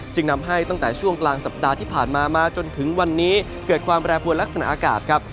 จึงนำให้ตั้งแต่ช่วงกลางสัปดาห์ที่ผ่านมามาจนถึงวันนี้เกิดความแปรปวนลักษณะอากาศครับ